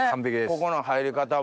ここの入り方も。